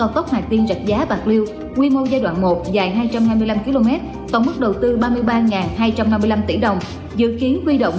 với quy mô tám làng xe